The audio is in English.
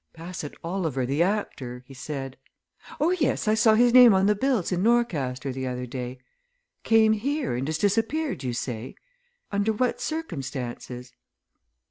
"Bassett Oliver, the actor," he said. "Oh, yes, I saw his name on the bills in Norcaster the other day. Came here, and has disappeared, you say? Under what circumstances?"